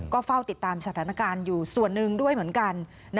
ก็เฝ้าติดตามสถานการณ์อยู่ส่วนหนึ่งด้วยเหมือนกัน